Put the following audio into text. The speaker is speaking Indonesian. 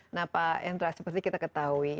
nah pak hendra seperti kita ketahui